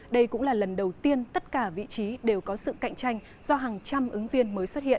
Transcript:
đây cũng là lần đầu tiên tất cả vị trí đều có sự cạnh tranh do hàng trăm ứng viên mới xuất hiện